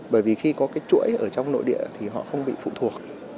bởi vì khi có cái chuỗi ở trong nội địa thì họ không bị phụ thuộc